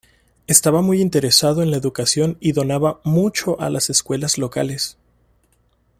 Estaba muy interesado en la educación y donaba mucho a las escuelas locales.